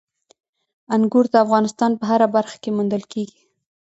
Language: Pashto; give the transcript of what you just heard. انګور د افغانستان په هره برخه کې موندل کېږي.